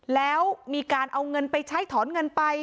แล้วมีการเอาเงินไปใช้ถอนเงินไป